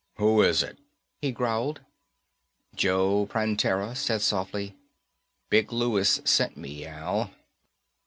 "Who's it?" he growled. Joe Prantera said softly, "Big Louis sent me, Al."